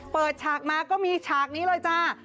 ฉากมาก็มีฉากนี้เลยจ้า